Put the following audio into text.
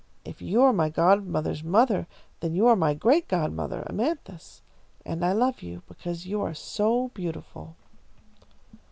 "If you are my godmother's mother, then you are my great godmother, Amanthis, and I love you because you are so beautiful."